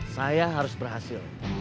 saya harus berhasil